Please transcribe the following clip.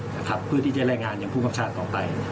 นะครับเพื่อที่จะแรงงานยังผู้คำชาติต่อไป